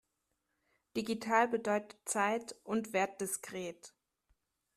Digital bedeutet zeit- und wertdiskret.